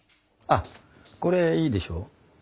あっこれいいでしょう？